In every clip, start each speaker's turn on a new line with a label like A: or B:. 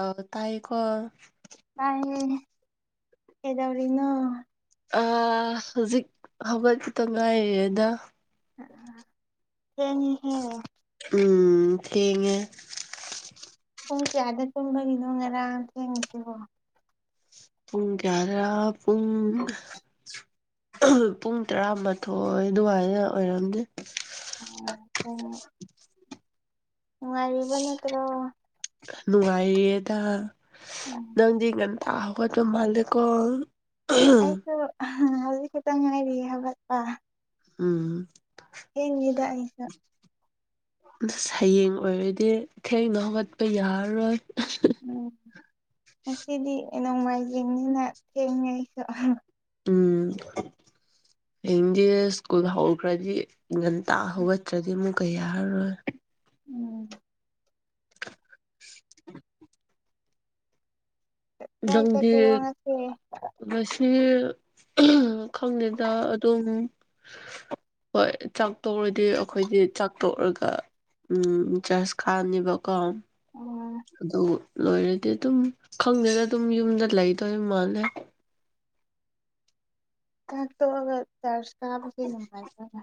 A: ꯑ ꯇꯥꯏꯌꯦꯀꯣ꯫
B: ꯇꯥꯏꯌꯦ ꯀꯩꯗꯧꯔꯤꯅꯣ
A: ꯑ ꯍꯧꯖꯤꯛ ꯍꯧꯒꯠꯄꯗ ꯉꯥꯏꯔꯤꯌꯦꯗ꯫
B: ꯊꯦꯡꯉꯤ꯫
A: ꯎꯝ ꯊꯦꯡꯉꯦ꯫
B: ꯄꯨꯡ ꯀꯌꯥꯗ ꯇꯨꯝꯕꯒꯤꯅꯣ ꯉꯔꯥꯡ ꯊꯦꯡꯉꯤꯁꯤꯕꯣ꯫
A: ꯄꯨꯡ ꯀꯌꯥꯗ ꯄꯨꯡ꯫ ꯄꯨꯡ ꯇꯔꯥꯃꯥꯊꯣꯏ ꯑꯗꯨꯋꯥꯏꯗ ꯑꯣꯏꯔꯝꯅꯤ꯫
B: ꯑꯣ꯫ ꯅꯨꯡꯉꯥꯏꯔꯤꯕ ꯅꯠꯇ꯭ꯔꯣ꯫
A: ꯅꯨꯡꯉꯥꯏꯔꯤꯌꯦꯗ꯫
B: [unintelligible]
A: ꯅꯪꯗꯤ ꯉꯟ ꯇꯥ ꯍꯧꯒꯠꯄ ꯃꯥꯜꯂꯦꯀꯣ꯫
B: ꯑꯩꯁꯨ ꯍꯧꯖꯤꯛ ꯈꯤꯇ ꯉꯥꯏꯔꯤ ꯍꯧꯒꯠꯄ꯫
A: ꯎꯝ꯫
B: ꯊꯦꯡꯉꯤꯗ ꯑꯩꯁꯨ꯫
A: ꯍꯌꯦꯡ ꯑꯣꯏꯔꯗꯤ ꯊꯦꯡꯅ ꯍꯧꯒꯠꯄ ꯌꯥꯔꯔꯣꯏ꯫
B: ꯎꯝ ꯉꯁꯤꯗꯤ ꯅꯣꯡꯃꯥꯏꯖꯤꯡꯅꯤꯅ ꯊꯦꯡꯉ‌ꯦ ꯑꯩꯁꯨ꯫
A: ꯎꯝ ꯍꯌꯦꯡꯗꯤ ꯁ꯭ꯀꯨꯜ ꯍꯧꯈ꯭ꯔꯗꯤ꯫ ꯉꯟꯇꯥ ꯍꯧꯒꯠꯇ꯭ꯔꯗꯤ ꯑꯃꯨꯛꯀ ꯌꯥꯔꯔꯣꯏ꯫
B: ꯎꯝ꯫
A: [unintelligible]
B: ꯀꯥꯏ
A: ꯅꯪꯗꯤ
B: ꯆꯠꯀꯦꯔꯣ ꯉꯁꯤ
A: ꯉꯥꯁ ꯁꯤ ꯈꯪꯗ‌ꯦꯗ ꯑꯗꯨꯝ꯫ ꯍꯣꯏ ꯆꯥꯛꯇꯣꯛꯔꯗꯤ ꯑꯩꯈꯣꯏꯗꯤ ꯆꯥꯛꯇꯣꯛꯔꯒ ꯎꯝ ꯆꯖꯔꯁ ꯈꯥꯟꯅꯦꯕꯀꯣ꯫
B: ꯑꯣ
A: ꯑꯗꯨ ꯂꯣꯏꯔꯗꯤ ꯑꯗꯨꯝ ꯈꯪꯗꯦꯗ ꯑꯗꯨꯝ ꯌꯨꯝꯗ ꯂꯩꯗꯣꯏ ꯃꯥꯜꯂꯦ꯫
B: ꯆꯥꯛꯇꯣꯛꯑꯒ ꯆꯥꯔꯖ ꯀꯥꯕꯁꯦ ꯅꯨꯡꯉꯥꯏꯕ꯭ꯔ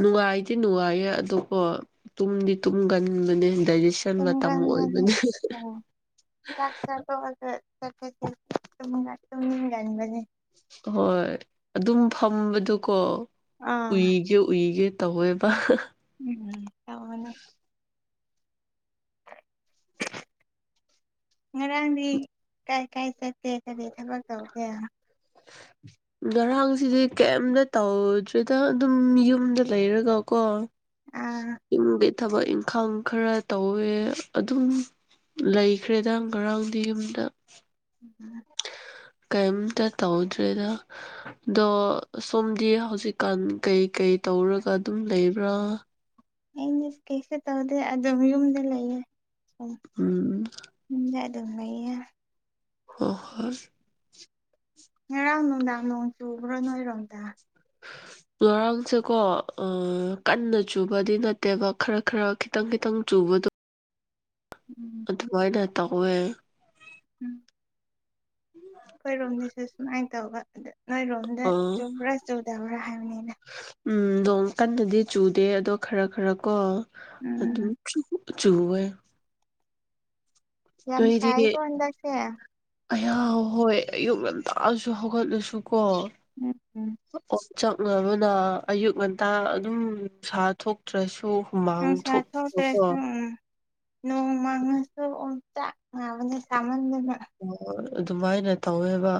A: ꯅꯨꯡꯉꯥꯏꯗꯤ ꯅꯨꯡꯉꯥꯏꯌꯦ ꯑꯗꯨꯀ‌ꯣ ꯇꯨꯝꯗꯤ ꯇꯨꯝꯒꯟꯕꯅꯦ ꯗꯥꯏꯖꯦꯁ ꯁꯟ ꯃꯇꯝ
B: ꯇꯨꯝꯒꯟꯕꯅꯦ
A: ꯑꯣꯏꯕꯅꯤ꯫
B: ꯎꯝ ꯆꯥꯛ ꯆꯥꯊꯣꯛ ꯑꯒ ꯆꯠꯄꯥꯁꯤ ꯇꯨꯝꯅꯤꯡꯉꯥꯏ ꯇꯨꯝꯅꯤꯡꯒꯟꯕꯅꯤ꯫
A: ꯍꯣꯏ ꯑꯗꯨꯝ ꯐꯝꯕꯗꯨꯀꯣ
B: ꯑꯥ
A: ꯎꯏꯒꯦ ꯎꯏꯒꯦ꯫ ꯇꯧꯋꯦꯕ꯫
B: ꯎꯝ ꯇꯧꯕꯅꯤ꯫ ꯉꯔꯥꯡꯗꯤ ꯀꯥꯏ ꯀꯥꯏ ꯆꯠꯁ‌ꯦ ꯀꯔꯤ ꯊꯕꯛ ꯇꯧꯒꯦ
A: [unintelligible] ꯉꯔꯥꯡꯁꯤꯗꯤ ꯀꯩꯝꯇ ꯇꯧꯗ꯭꯭ꯔꯤꯗ ꯑꯗꯨꯝ ꯌꯨꯝꯗ ꯂꯩꯔꯒ ꯀꯣ꯫
B: ꯑꯥ
A: ꯌꯨꯝꯗꯤ ꯊꯕꯛ ꯏꯪꯈꯥꯡ ꯈꯔ ꯇꯧꯋꯦ ꯑꯗꯨꯝ꯫ ꯂꯩꯈ꯭ꯔꯦꯗꯪ ꯉꯔꯥꯡꯗꯤ ꯌꯨꯝꯗ꯫
B: [unintelligible]
A: ꯀꯩꯝꯇ ꯇꯧꯗ꯭ꯔꯦꯗ꯫ ꯑꯗꯣ ꯁꯣꯝꯗꯤ ꯍꯧꯖꯤꯛꯀꯥꯟ ꯀꯩꯀꯩ ꯇꯧꯔꯒ ꯑꯗꯨꯝ ꯂꯩꯕ꯭ꯔꯥ꯫
B: ꯑꯩꯗꯤ ꯀꯩꯁꯨ ꯇꯧꯗꯦ ꯑꯗꯨꯝ ꯌꯨꯝꯗ ꯂꯩꯌꯦ ꯁꯨꯝ
A: ꯎꯝ
B: ꯌꯨꯝꯗ꯫ ꯂꯩꯌꯦ꯫
A: ꯑꯣ ꯍꯣꯏ꯫
B: ꯉꯔꯥꯡ ꯅꯨꯡꯗꯥꯡ ꯅꯣꯡ ꯆꯨꯕ꯭ꯔꯣ ꯅꯣꯏꯔꯣꯝꯗ꯫
A: ꯍ ꯉꯔꯥꯡꯁꯦꯀꯣ ꯀꯟꯅ ꯆꯨꯕꯗꯤ ꯅꯠꯇꯦꯕ ꯈꯔ ꯈꯔ ꯈꯤꯇꯪ ꯈꯤꯇꯪ ꯆꯨꯕꯗꯣ
B: ꯎꯝ
A: ꯑꯗꯨꯃꯣꯏꯅ ꯇꯒꯋꯦ
B: ꯎꯝ ꯑꯩꯈꯣꯏꯔꯣꯝꯗꯁꯨ ꯁꯨꯃꯥꯏꯅ ꯇꯧꯕ ꯑꯗ ꯅꯣꯏꯔꯣꯝꯗ
A: ꯑꯥ
B: ꯆꯨꯕ꯭ꯔꯥ ꯆꯨꯗꯕ꯭ꯔꯥ ꯍꯥꯏꯕꯅꯤꯅ
A: ꯎꯝ ꯅꯣꯡ ꯀꯟꯅꯗꯤ ꯆꯨꯗꯦ ꯑꯗꯣ ꯈꯔ ꯈꯔ ꯀꯣ ꯑꯗꯨꯝ
B: ꯎꯝ
A: ꯆꯨꯍ
B: ꯌꯥꯝ ꯁꯥꯏꯀꯣꯗꯁꯦ
A: ꯑꯍ ꯍꯣꯏ ꯑꯌꯨꯛ ꯌꯥꯝ ꯇꯥꯛꯑꯁꯨ ꯍꯧꯒꯠꯂꯁꯨ ꯀꯣ
B: ꯎꯝ ꯎꯝ
A: ꯑꯣꯠ ꯆꯪꯅꯕꯅ ꯑꯌꯨꯛ ꯉꯟꯇꯥ ꯑꯗꯨꯝ ꯁꯥ ꯊꯣꯛꯇ꯭ꯔꯁꯨ
B: ꯑ
A: ꯍꯨꯃꯥꯡ ꯊꯣꯛꯄꯀꯣ
B: ꯁꯥꯊꯇꯁ ꯎ ꯅꯣꯡ ꯃꯥꯉꯁꯨ ꯑꯣꯝ ꯆꯅꯦ ꯁꯃꯟꯅ
A: ꯑꯣ ꯑꯗꯨꯃꯥꯏꯅ ꯇꯧꯋꯦꯕ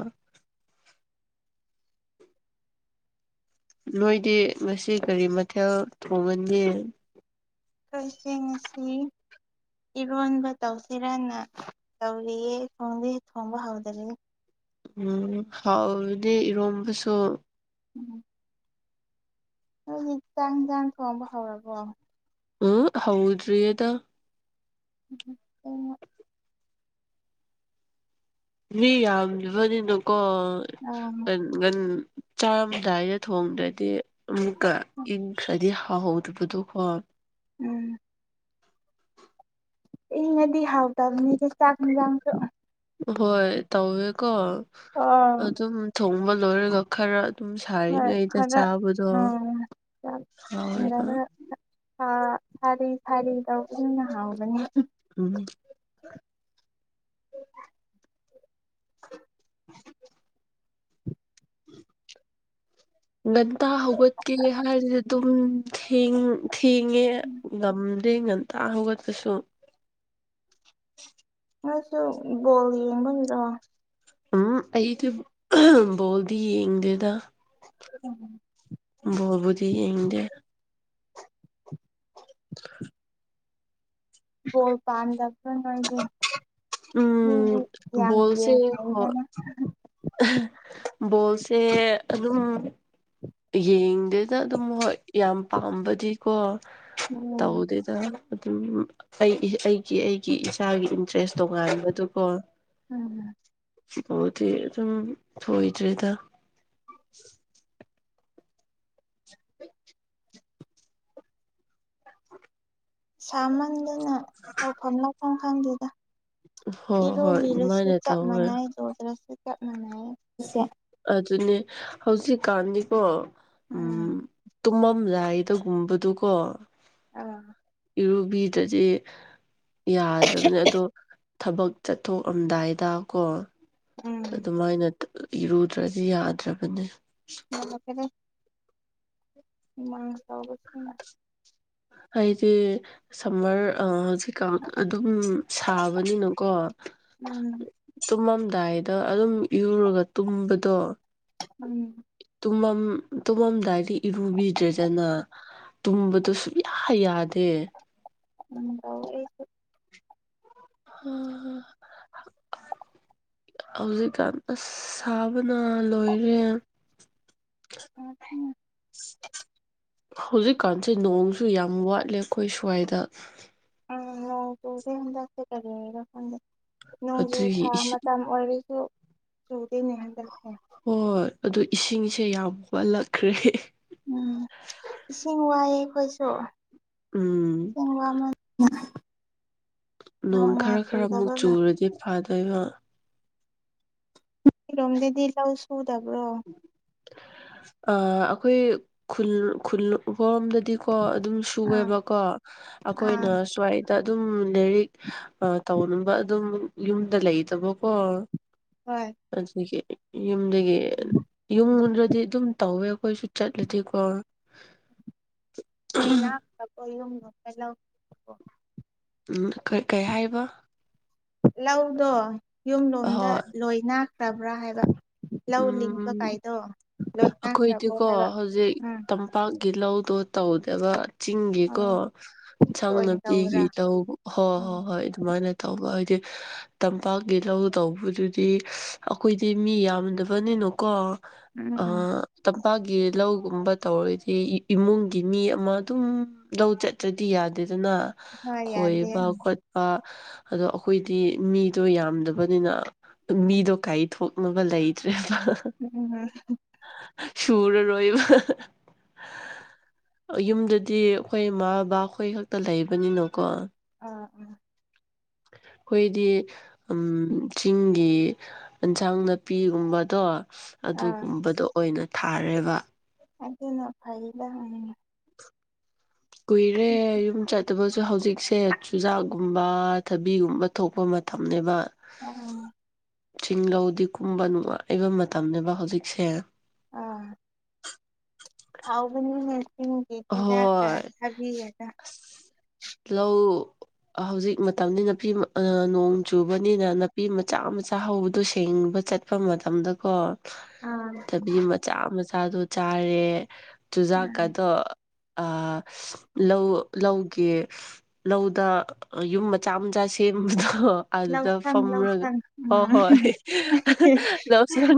A: ꯅꯣꯏꯗꯤ ꯉꯁꯤ ꯀꯔꯤ ꯃꯊꯦꯜ ꯊꯣꯡꯉꯟꯒꯦ
B: ꯑꯩꯣꯏꯁꯤꯡꯦꯡ ꯑꯁꯤ ꯏꯔꯣꯟꯕ ꯇꯧꯁꯤꯔꯅ ꯇꯧꯔꯤꯌꯦ ꯊꯣꯡꯗ ꯊꯣꯡꯕ ꯍꯧꯗꯔꯤ
A: ꯎꯝ ꯍꯥꯎꯗꯤ ꯏꯔꯣꯝꯕꯁꯨ
B: ꯎꯝ ꯍꯧꯖꯤꯛ ꯆꯥꯡ ꯇꯥꯡ ꯊꯣꯡꯕ ꯍꯧꯔꯕꯣ
A: ꯎ ꯍꯥꯎꯗ꯭ꯔꯤ ꯑꯗ
B: ꯎꯝ ꯑꯣ
A: ꯃꯤ ꯌꯥꯝꯕꯅꯤꯅꯨꯀꯣ
B: ꯑꯣ
A: ꯉꯟ ꯆꯥꯃꯗꯥꯏꯗ ꯊꯣꯡꯗ꯭ꯔꯗꯤ ꯑꯃꯨꯛꯀ ꯏꯟꯈ꯭ꯔꯗꯤ ꯍꯥꯎꯍꯧꯗꯕꯗꯣꯀꯣ
B: ꯎꯝ ꯏꯉꯗꯤ ꯍꯥꯎꯗꯕꯅꯤꯅ ꯆꯥꯛ ꯟꯖꯥꯡꯁꯨ
A: ꯍꯣꯏ ꯇꯧꯋꯦꯀꯣ
B: ꯑꯥ
A: ꯑꯗꯨꯝ ꯊꯣꯡꯕ ꯂꯣꯏꯔꯒ ꯈꯔ ꯑꯗꯨꯝ
B: ꯍꯣꯏ
A: ꯁꯥꯔꯤꯉꯩꯗ
B: ꯈꯔ
A: ꯆꯥꯕꯗꯣ
B: ꯎꯝ ꯆꯥꯛ
A: ꯍꯥꯎꯔꯒ
B: ꯊꯣꯡꯔꯒ ꯁꯥꯔꯤ ꯁꯥꯔꯤ ꯇꯧꯕꯗꯨꯅ ꯍꯥꯎꯕꯅꯦ
A: ꯎꯝ ꯍ ꯉꯒꯟꯇꯥ ꯍꯧꯒꯠꯀꯦ ꯍꯥꯏꯔꯗꯤ ꯑꯗꯨꯝ ꯊꯦꯡ ꯊꯦꯡꯉꯦ ꯉꯝꯗꯦ ꯉꯟꯇꯥ ꯍꯧꯒꯠꯄꯁꯨ
B: ꯅꯣꯏꯁꯨ ꯒꯣꯜ ꯌꯦꯡꯕꯅꯤꯔꯣ
A: ꯎꯝ ꯑꯩꯗꯤ ꯕꯣꯜꯗꯤ ꯌꯦꯡꯗꯦꯗ
B: ꯎꯝ
A: ꯕꯣꯕꯨꯗꯤ ꯌꯦꯡꯗꯦ
B: ꯄꯥꯟꯗꯄ ꯃꯒꯦ ꯎꯝ ꯌꯥꯝ
A: ꯕꯣꯜꯁꯦ ꯍꯣꯏ
B: ꯌꯦꯡꯉꯗꯅ
A: ꯕꯣꯜꯁꯦ ꯑꯗꯨꯝ ꯌꯦꯡꯗꯦꯅ ꯑꯗꯨꯝ ꯍꯣꯏ ꯌꯥꯝ ꯄꯥꯝꯕꯗꯤꯀꯣ
B: ꯎꯝ
A: ꯇꯧꯗꯦ ꯑꯗꯨꯝ ꯑꯩ ꯑꯩꯒꯤ ꯑꯩꯒꯤ ꯏꯁꯆꯥꯒꯤ ꯏꯟꯇꯔꯦꯁ ꯇꯣꯉꯥꯟꯕꯗꯨꯀꯣ
B: ꯎꯝꯝ
A: ꯁꯤꯐꯥꯎꯗꯤ ꯑꯗꯨꯝ ꯊꯣꯏꯗ꯭ꯔꯦꯗ ꯍꯨꯠ
B: ꯁꯥꯃꯟꯗꯨꯅ ꯇꯧꯐꯝ ꯂꯧꯐꯝ ꯈꯪꯗꯦꯗ
A: ꯍꯣꯏ ꯍꯣꯏ
B: ꯏꯔꯨꯕꯤꯔꯁꯨ
A: ꯑꯗꯨꯃꯥꯏꯅ
B: ꯆꯞ
A: ꯇꯧꯋꯦ
B: ꯃꯥꯟꯅꯏ ꯆꯧꯗ꯭ꯔꯁꯨ ꯆꯞ ꯃꯥꯟꯅꯦ
A: ꯑꯗꯨꯅꯦ ꯍꯧꯖꯤꯛꯀꯥꯟꯗꯤꯀꯣ ꯎꯝ ꯇꯨꯝꯃꯝꯗꯥꯏꯗ ꯒꯨꯝꯕ ꯗꯨꯀꯣ
B: ꯑꯥ
A: ꯏꯔꯨꯕꯤꯗꯗꯤ ꯌꯥꯗ꯭ꯔꯕꯅꯦ ꯑꯗꯣ ꯊꯕꯛ ꯆꯠꯊꯣꯛ ꯑꯝꯗꯥꯏꯗ ꯀꯣ
B: ꯎꯝ
A: ꯑꯗꯨꯃꯥꯏꯅ ꯏꯔꯨꯗ꯭ꯔꯗꯤ ꯌꯥꯗ꯭ꯔꯕꯅꯦ
B: ꯐꯔ‌ꯦ ꯐꯔ‌ꯦ ꯍꯨꯃꯥꯡ ꯁꯧꯕꯖꯤꯅ
A: ꯑꯩꯗꯤ ꯁꯝꯃꯔ ꯑ ꯍꯧꯖꯤꯛ ꯑꯗꯨꯝ ꯁꯥꯕꯅꯤꯅꯀꯣ
B: ꯎꯝ
A: ꯇꯨꯝꯃꯝꯗꯥꯏꯗ ꯑꯗꯨꯝ ꯏꯨꯔꯒ ꯇꯨꯝꯕꯗꯣ
B: ꯎꯝ
A: ꯇꯨꯝꯃꯝ ꯇꯨꯝꯃꯝꯗꯥꯏꯗꯤ ꯏꯔꯨꯕꯤꯗ꯭ꯔꯦꯗꯅ ꯇꯨꯝꯕꯗ ꯁꯨꯡꯌꯥ ꯌꯥꯗꯦ
B: [unintelligible]
A: ꯑ ꯍꯧꯖꯤꯛ ꯀꯥꯟ ꯑꯁ ꯁꯥꯕꯅ ꯂꯣꯏꯔꯦ
B: ꯎꯝ ꯎꯝ
A: ꯍꯧꯖꯤꯛꯀꯥꯟꯁꯦ ꯅꯣꯡꯁꯨ ꯌꯥꯝ ꯋꯥꯠꯂꯦ ꯑꯩꯈꯣꯏ ꯁ꯭ꯋꯥꯏꯗ
B: ꯎꯝ ꯅꯣꯡꯇꯨꯒꯤ ꯍꯟꯗꯛꯁꯦ ꯀꯔꯤ ꯍꯥꯏꯔꯣ ꯈꯪꯗꯦ ꯅꯣꯡꯖꯨ
A: ꯑꯗꯨꯒꯤ
B: ꯊꯥ
A: ꯏꯁꯤꯡ
B: ꯃꯇꯝ ꯑꯣꯁꯨ ꯆꯧꯗ ꯅꯍꯦꯟꯗꯁꯦ
A: ꯍꯣꯏ ꯑꯗꯨ ꯏꯁꯤꯡꯁꯦ ꯌꯥꯝ ꯋꯥꯠꯂꯛꯈ꯭ꯔꯦ
B: ꯎꯝ ꯏꯁꯤꯡ ꯋꯥꯏꯑꯦ ꯑꯩꯈꯣꯏꯁꯨ
A: ꯎꯝ
B: ꯁꯦꯡ ꯋꯥ
A: ꯅꯣꯡ ꯈꯔ ꯈꯔ ꯑꯃꯨꯛ ꯆꯨꯔꯗꯤ ꯐꯥꯗꯣꯏꯕ
B: ꯔꯣꯝꯗꯗꯤ ꯂꯧ ꯁꯨꯗꯕ꯭ꯔꯣ
A: ꯑ ꯑꯩꯈꯣꯏ ꯈꯨꯜ ꯈꯨꯜꯈ‌ꯣꯏꯔ‌ꯣꯝꯗꯗꯤ ꯀꯣ ꯑꯗꯨꯝ
B: ꯑꯥ
A: ꯁꯨꯋꯦꯕꯀꯣ
B: ꯑꯥ
A: ꯑꯩꯈꯣꯏꯅ ꯁ꯭ꯋꯥꯏꯗ ꯗ ꯑꯗꯨꯝ ꯂꯥꯏꯔꯤꯛ ꯇꯧꯅꯕ ꯑꯗꯨꯝ ꯌꯨꯝꯗ ꯂꯩꯇꯕꯀꯣ
B: ꯍꯣꯏ
A: ꯑꯗꯨꯒꯤ ꯌꯨꯝꯗꯒꯤ ꯌꯨꯝꯗꯗꯤ ꯑꯗꯨꯝ ꯇꯧꯋꯦ ꯑꯩꯈꯣꯏꯁꯨ ꯆꯠꯂꯗꯤꯀꯣ
B: ꯂꯣꯏ ꯂ ꯌꯨꯝ
A: ꯎꯝ ꯑꯩꯈꯣꯏ ꯀ ꯀꯩ ꯍꯥꯏꯕ
B: ꯂꯧꯗꯣ ꯌꯨꯝ ꯂꯣꯝꯗ
A: ꯑꯍꯣꯏ
B: ꯂꯣꯏꯅꯥ ꯈ꯭ꯔꯕ꯭ꯔꯥ ꯍꯥꯏꯕ ꯂꯧ
A: ꯎꯝ
B: ꯂꯤꯡꯕ ꯀꯥꯏꯗꯣ ꯂꯣꯏꯅꯈ꯭ꯔꯕꯣ ꯍꯥꯏꯕ ꯎꯝ
A: ꯄꯠꯀꯤ ꯂꯧꯗꯣ ꯇꯧꯗꯕ ꯆꯤꯡꯒꯤꯀꯣ
B: ꯑꯥ
A: ꯑꯦꯟꯁꯥꯡ
B: ꯑꯣꯏꯅ
A: ꯅꯥꯄꯤꯒꯤ
B: ꯇꯧꯕ꯭ꯔꯥ
A: ꯇꯧꯕ ꯍꯣꯏ
B: ꯎꯝ
A: ꯍꯣꯏ ꯍꯣꯏ ꯑꯗꯨꯃꯥꯏꯅ ꯇꯧꯕ ꯍꯥꯏꯗꯤ ꯇꯝꯄꯥꯛꯀꯤ ꯂꯧ ꯇꯧꯕꯗꯨꯗꯤ ꯑꯩꯈꯣꯏꯗꯤ ꯃꯤ ꯌꯥꯝꯅ ꯅꯤꯅꯨꯀꯣ ꯑ
B: ꯎꯝ
A: ꯇꯝꯄꯥꯛꯀꯤ ꯂꯧꯒꯨꯝꯕ ꯇꯧꯔꯒꯗꯤ ꯏꯃꯨꯡꯒꯤ ꯃꯤ ꯑꯃ ꯑꯗꯨꯝ ꯂꯧ ꯆꯠꯇ꯭ꯔꯗꯤ ꯌꯥꯗꯦꯗꯅ
B: ꯍꯣꯏ ꯌꯥꯗꯦ
A: ꯈꯣꯏꯕ ꯑꯗꯣ ꯑꯩꯈꯣꯏꯗꯤ ꯃꯤꯗꯣ ꯌꯥꯝꯗꯕꯅꯤꯅ ꯃꯤꯗꯣ ꯀꯥꯏꯊꯣꯛꯅꯕ ꯂꯩꯇ꯭ꯔꯦꯕ
B: ꯎꯝ
A: ꯁꯨꯔ ꯔꯣꯏꯕ ꯌꯨꯝꯗꯗꯤ ꯑꯩꯈꯣꯏ ꯏꯃꯥ ꯕꯕꯥ ꯑꯩꯈꯣꯏ ꯈꯛꯇ ꯂꯩꯕꯅꯤꯅꯀꯣ
B: ꯑꯥ ꯑꯥ
A: ꯑꯩꯈꯣꯏꯗꯤ ꯎ ꯆꯤꯡꯒꯤ ꯑꯦꯟꯁꯥꯡ ꯅꯥꯄꯤꯒꯨꯝꯕꯗꯣ
B: ꯑꯥ
A: ꯑꯗꯨꯒꯨꯝꯕꯗꯣ ꯑꯣꯏꯅ ꯊꯥꯔꯦꯕ
B: ꯑꯗꯨꯅ ꯐꯥꯏꯗ ꯑꯣꯏꯅ ꯑꯣꯏꯅ
A: ꯀꯨꯏꯔꯦ ꯌꯨꯝ ꯆꯠ ꯑꯗꯨꯕꯨꯁꯨ ꯍꯧꯖꯤꯛꯁꯦ ꯆꯨꯖꯥꯛꯒꯨꯝꯕ ꯊꯕꯤꯒꯨꯝꯕ ꯊꯣꯛꯄ ꯃꯇꯝꯅꯦꯕ
B: ꯎꯝ
A: ꯆꯤꯂꯧꯗꯤ ꯀꯨꯝꯕ ꯅꯨꯡꯉꯥꯏꯕ ꯃꯇꯝꯅꯦꯕ ꯍꯧꯖꯤꯛꯁꯦ
B: ꯑꯥ ꯍꯥꯎꯕꯅꯤꯅꯁꯤꯡꯒꯤꯤꯟꯒꯤ ꯆꯤꯟꯖꯥꯛꯀ
A: ꯍꯣꯏ
B: ꯊꯥꯕꯤꯔꯒ
A: ꯂꯧ ꯍꯧꯖꯤꯛ ꯃꯇꯝꯅꯤ ꯅꯥꯄꯤ ꯅꯣꯡ ꯆꯨꯕꯅꯤꯅ ꯊꯕꯤ ꯃꯆꯥ ꯃꯆꯥ ꯍꯧꯕꯗꯣ ꯁꯦꯡꯕ ꯆꯠꯄ ꯃꯇꯝꯗꯀꯣ
B: ꯑꯥ
A: ꯗꯕꯤ ꯆꯥ ꯃꯆꯥꯗꯣ ꯆꯥꯔꯦ
B: ꯑꯥ
A: ꯆꯨꯖꯥꯛꯀꯗꯣ ꯑ ꯂꯧ ꯂꯧꯒꯦ ꯂꯧꯗ ꯌꯨꯝ ꯃꯆꯥ ꯃꯆꯥ ꯁꯦꯝꯕꯗꯣ ꯑꯗꯨꯗ
B: ꯂꯧꯁꯪ
A: ꯐꯝꯨꯔꯒ
B: ꯂꯧꯁꯪ
A: ꯍꯣꯏ
B: ꯎꯝ
A: ꯍꯣꯏ ꯂꯧꯁꯤꯅ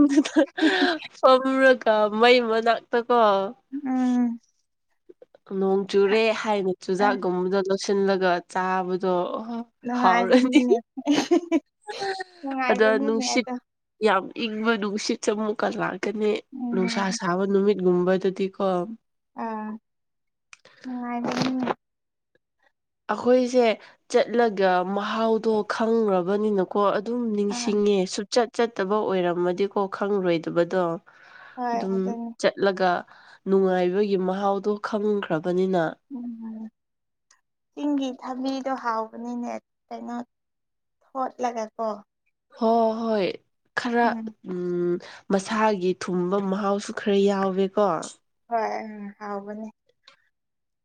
A: ꯀꯝ꯭ꯔꯒ ꯃꯩ ꯃꯅꯥꯛꯇꯀꯣ
B: ꯎꯝ
A: ꯅꯣꯡ ꯆꯨꯔꯦ ꯍꯥꯏꯅ
B: ꯑꯁ
A: ꯆꯨꯖꯥꯛꯒꯨꯝꯕꯗ ꯂꯣꯁꯤꯜꯂꯒ ꯆꯥꯕꯗꯣ ꯍꯥꯎꯔꯅꯤ
B: ꯅꯨꯡꯉꯥꯏꯕꯅꯤꯅꯦ
A: ꯑꯗ
B: ꯅꯨꯡꯉꯥꯏꯕꯅꯤꯅꯦ
A: ꯅꯨꯡꯁꯤꯠ
B: ꯑꯗꯣ
A: ꯌꯥꯝ ꯏꯪꯕ ꯅꯨꯡꯁꯤꯠꯁꯦ ꯑꯃꯨꯛꯀ ꯂꯥꯛꯑꯒꯦ ꯀꯅꯤ ꯅꯨꯡꯁꯥ
B: ꯎꯝ
A: ꯁꯥꯕ ꯅꯨꯃꯤꯠꯒꯨꯝꯕꯗꯗꯤꯀꯣ
B: ꯑꯥ ꯅꯨꯡꯉꯥꯏ
A: ꯑꯩꯈꯣꯏꯁꯦ ꯆꯠꯂꯒ ꯃꯍꯥꯎꯗꯣ ꯈꯪꯈ꯭ꯔꯕꯅꯤꯅ ꯀꯣ ꯑꯗꯨꯝ
B: ꯑꯥ
A: ꯅꯤꯡꯁꯤꯡꯉꯦ ꯁꯨꯆꯠ ꯆꯠꯇꯕ ꯑꯣꯏꯔꯝꯃꯗꯤꯀꯣ ꯈꯪꯂꯔꯣꯏꯗꯕꯗꯣ
B: ꯍꯣꯏ
A: ꯑꯗꯨꯝ
B: ꯑꯗꯨꯅꯤ
A: ꯆꯠꯂꯒ ꯅꯨꯡꯉꯥꯏꯕꯒꯤ ꯃꯍꯥꯎꯗꯣ ꯈꯪꯈ꯭ꯔꯕꯅꯤꯅ
B: ꯎꯝꯝ ꯆꯤꯡꯒꯤ ꯊꯕꯤꯗꯣ ꯍꯥꯎꯕꯅꯤꯅꯦ ꯀꯩꯅꯣ ꯊꯣꯠꯂꯒꯀꯣ
A: ꯍꯣꯏ ꯍꯣꯏ ꯈꯔ
B: ꯎꯝ
A: ꯎꯝ ꯃꯁꯥꯒꯤ ꯊꯨꯝꯕ ꯃꯍꯥꯎꯁꯨ ꯈꯔ ꯌꯥꯎꯋꯦꯀꯣ
B: ꯍꯣꯏ ꯎꯝ ꯍꯥꯎꯕꯅꯤ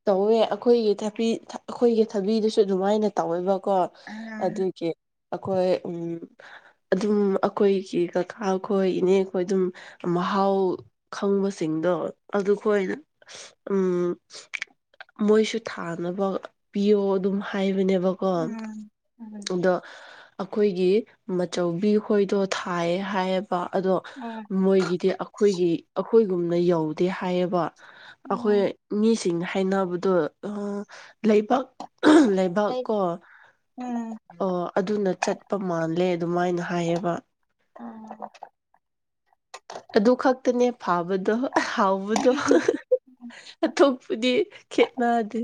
A: ꯇꯧꯋꯦ ꯑꯩꯈꯣꯏꯒꯤ ꯊꯕꯤ ꯑꯩꯈꯣꯏꯒꯤ ꯊꯕꯤꯗꯨꯁꯨ ꯑꯗꯨꯃꯥꯏꯅ ꯇꯧꯋꯦꯕꯀꯣ
B: ꯑꯥ
A: ꯑꯗꯨ ꯑꯩꯈꯣꯏ ꯎꯝ ꯑꯗꯨꯝ ꯑꯩꯈꯣꯏꯒꯤ ꯀꯀꯥ ꯑꯩꯈꯣꯏ ꯏꯅꯦ ꯑꯩꯈꯣꯏ ꯑꯗꯨꯝ ꯃꯍꯥꯎ ꯈꯪꯕꯁꯤꯡꯗꯣ ꯑꯗꯨꯈꯅ ꯎꯝ ꯃꯣꯏꯁꯨ ꯊꯥꯅꯕ ꯄꯤꯌꯣ ꯑꯗꯨꯝ ꯍꯥꯏꯕꯅꯦꯕ
B: ꯎꯝ ꯎꯝ
A: ꯑꯗꯣ ꯑꯩꯈꯣꯏꯒꯤ ꯃꯆꯧꯕꯤ ꯈꯣꯏꯗꯣ ꯊꯥꯏꯌꯦ ꯍꯥꯏꯌꯦꯕ ꯑꯗꯣ
B: ꯑꯥ
A: ꯃꯣꯏꯒꯤꯗꯤ ꯑꯩꯈꯣꯏꯒꯤ ꯑꯩꯈꯣꯏꯒꯨꯝꯅ ꯌꯧꯗꯦ ꯍꯥꯏꯌꯦꯕ ꯑꯩꯈꯣꯏ
B: ꯎꯝ
A: ꯃꯤꯁꯤꯡꯅ ꯍꯥꯏꯅꯕꯗꯣ ꯂꯩꯕꯥꯛꯕ ꯗꯥꯛ
B: ꯂꯩ
A: ꯀꯣ
B: ꯎꯝ
A: ꯑꯣ ꯑꯗꯨꯅ ꯆꯠꯄ ꯃꯥꯜꯂꯦ ꯑꯗꯨꯃꯥꯏꯅ ꯍꯥꯏꯌꯦꯕ
B: ꯑꯥ
A: ꯑꯗꯨ ꯈꯛꯇꯅꯦ ꯐꯥꯕꯗꯣ ꯍꯥꯎꯕꯗꯣ ꯑꯇꯣꯞꯄꯨꯗꯤ ꯈꯦꯠꯅꯗꯦ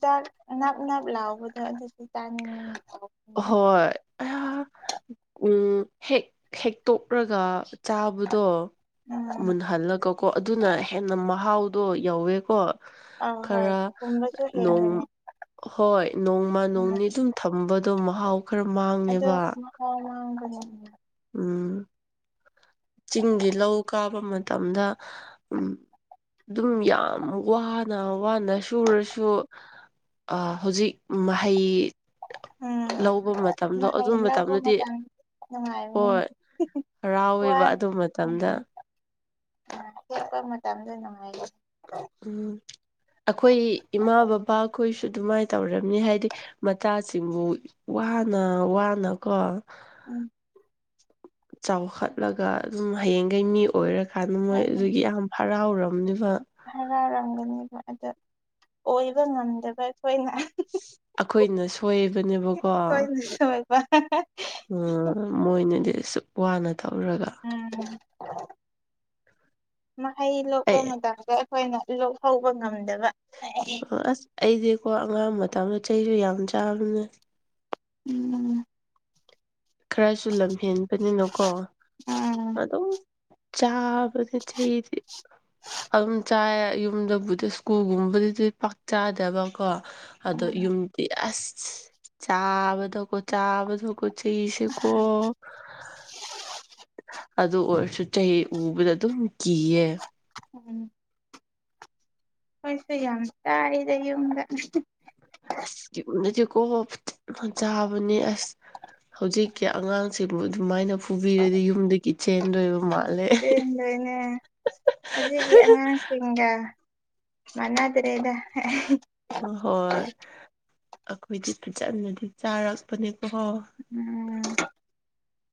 B: ꯆꯗ ꯅꯞ ꯅꯞ ꯂꯥꯎꯕꯗꯣ ꯑꯗꯨꯗꯤ ꯇꯥꯅꯤꯡ ꯊꯕ
A: ꯍꯣꯏ ꯎꯝ ꯍꯦꯛ ꯍꯦꯛꯇꯣꯛꯂꯒ ꯆꯥꯕꯗꯣ
B: ꯎꯝ
A: ꯃꯨꯟꯍꯜꯂꯒꯀꯣ ꯑꯗꯨꯅ ꯍꯦꯟꯅ ꯃꯍꯥꯎꯗꯣ ꯌꯥꯧꯋꯦꯀꯣ
B: ꯑꯥ ꯍꯣꯏ ꯄꯨꯝꯕꯁꯨ
A: ꯈꯔꯣꯡ
B: ꯍꯦꯟꯕꯅꯦ
A: ꯍꯣꯏ ꯅꯣꯡꯃ
B: ꯎꯝ
A: ꯅꯣꯡꯅꯤ ꯑꯗꯨꯝ ꯊꯝꯕꯗꯣ ꯃꯍꯥꯎ ꯈꯨꯔꯃꯥꯡ
B: ꯑꯗꯣ ꯃ
A: ꯎꯝ ꯆꯤꯡꯒꯤ ꯂꯧ ꯀꯥꯕ ꯃꯇꯝꯗ ꯎꯝ ꯑꯗꯨꯝ ꯌꯥꯝ ꯋꯥ ꯅ ꯋꯥꯅ ꯁꯨꯔꯁꯨ ꯍꯧꯖꯤꯛ ꯃꯍꯩ
B: ꯎꯝ
A: ꯂꯧꯕ ꯃꯇꯝꯗꯣ ꯑꯗꯨ
B: ꯃꯍꯩ ꯂꯕꯨ
A: ꯃꯇꯝꯗꯗꯤ
B: ꯃꯗꯥꯥꯡ ꯅꯨꯡꯉꯥꯏ ꯃꯤ
A: ꯍꯣꯏ ꯍꯔꯥꯎꯋꯦꯕ
B: ꯀꯅꯤ
A: ꯑꯗꯨ
B: ꯎ
A: ꯃꯇꯝꯗ
B: ꯑ ꯀꯦꯄ ꯃꯝꯗꯦ ꯅꯥꯏ
A: ꯎꯝ ꯑꯩꯈꯣꯏ ꯏꯃꯥ ꯕꯕꯥꯈꯣꯏꯁꯨ ꯑꯗꯨꯃꯥꯏꯅ ꯇꯧꯝꯅꯤ ꯍꯥꯏꯗꯤ ꯃꯆꯥꯁꯤꯡꯕꯨ ꯋꯥꯅ ꯋꯥꯅꯀꯣ
B: ꯎꯝ
A: ꯆꯥꯎꯈꯠꯂꯒ ꯑꯗꯨꯝ ꯍꯌꯦꯡꯈꯩ ꯃꯤ ꯑꯣꯏꯔꯀꯥꯟꯗ ꯃꯣꯏ ꯑꯗꯨꯒꯤ ꯌꯥꯝ ꯍꯔꯥꯎꯔꯝꯂꯤꯕ
B: ꯍꯔꯥꯎꯔꯝꯒꯅꯦꯕ ꯑꯗ ꯑꯣꯏꯕ ꯉꯝꯗꯕ ꯑꯩꯈꯣꯏꯅ
A: ꯑꯩꯈꯣꯏꯅꯁꯨ ꯍꯕꯅꯦ
B: ꯀꯣꯏꯅꯤ ꯁꯣꯏꯕ
A: ꯎ ꯃꯣꯏꯅꯗꯤ ꯑꯁꯨꯛ ꯋꯥꯅ ꯊꯧꯔꯒ
B: ꯎꯝ ꯃꯍꯩ ꯂꯣꯛꯄ
A: ꯑꯩ
B: ꯃꯇꯝꯗ ꯑꯩꯈꯣꯏꯅ ꯂꯣꯛꯍꯧꯕ ꯉꯝꯗꯕ
A: ꯑꯁ ꯑꯩꯗꯤꯀꯣ ꯑꯉꯥꯡ ꯃꯇꯝꯗꯣ ꯆꯩꯁꯨ ꯌꯥꯝ ꯆꯥꯕꯅꯦ
B: ꯎꯝ
A: ꯈꯔꯁꯨ ꯂꯝꯍꯦꯟꯕꯅꯤꯅꯀꯣ
B: ꯎꯝ
A: ꯑꯗꯨꯝ ꯆꯥꯕꯗ ꯆꯩꯗꯤ ꯑꯗꯨꯝ ꯆꯥꯏ ꯌꯨꯝꯗꯕꯨꯗꯤ ꯁ꯭ꯀꯨꯜꯒꯨꯝꯕꯗꯨꯗꯤ ꯄꯥꯛ ꯆꯥꯗꯕ ꯀꯣ ꯑꯗꯣ
B: ꯎꯝ
A: ꯌꯨꯝꯗꯤ ꯑꯁ ꯆꯥꯕꯗꯀꯣ ꯆꯥꯕꯗꯀꯣ ꯁꯤꯁꯤꯀꯣ ꯑꯗꯨ ꯑꯣꯏꯔꯁꯨ ꯆꯍꯤ ꯎꯕꯗ ꯑꯗꯨꯝ ꯀꯤꯌꯦ
B: ꯎꯝ ꯃꯣꯏꯁꯨꯦ ꯌꯥꯝ ꯇꯥꯔꯤꯗ ꯌꯨꯝꯗ
A: ꯑꯁ ꯅꯗꯤ ꯀꯣ ꯆꯥꯕꯅꯤ ꯑꯁ ꯍꯧꯖꯤꯛꯀꯤ ꯑꯉꯥꯡꯁꯤꯕꯨ ꯑꯗꯨꯃꯥꯏꯅ ꯐꯨꯕꯤꯔꯗꯤ ꯌꯨꯝꯗꯒꯤ ꯆꯦꯟꯗꯣꯏꯕ ꯃꯥꯜꯂꯦ
B: ꯆꯦꯟꯗꯣꯏꯅꯦ ꯑꯁꯤꯒꯤ ꯑꯉꯥꯡꯁꯤꯡꯒ ꯃꯅꯥ ꯑꯗꯨꯔꯦ ꯏꯗ
A: ꯍꯣꯏ ꯑꯩꯈꯣꯏꯗꯤ ꯐꯖꯅꯗꯤ ꯆꯥꯔꯛꯄꯅꯦꯀꯣ ꯍꯣ
B: ꯎꯝ